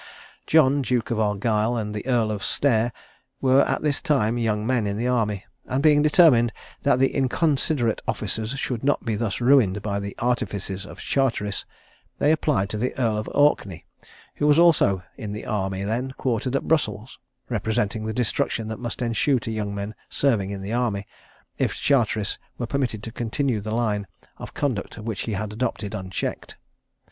John Duke of Argyle and the Earl of Stair were at this time young men in the army; and being determined that the inconsiderate officers should not be thus ruined by the artifices of Charteris, they applied to the Earl of Orkney, who was also in the army then quartered at Brussels, representing the destruction that must ensue to young men serving in the army, if Charteris were permitted to continue the line, of conduct which he had adopted unchecked.